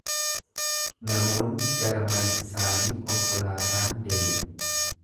Namoonni gara mana isaanii konkolaataan deemu.